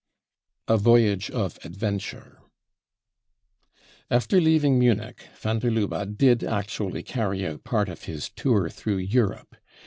A Voyage^of Adventure, After leaving Munich, van der Lubbe did actually carry out part of his "Tour through Europe."